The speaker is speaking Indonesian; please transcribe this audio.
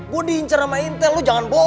gua diincer sama intel lu jangan bohong lu